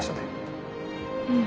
うん。